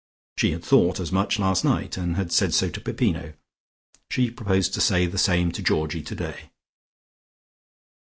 She had thought as much last night, and had said so to Peppino. She proposed to say the same to Georgie today.